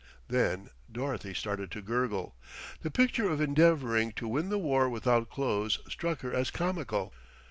Then Dorothy started to gurgle. The picture of endeavouring to win the war without clothes struck her as comical.